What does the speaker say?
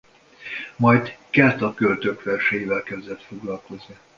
Majd kelta költők verseivel kezdett foglalkozni.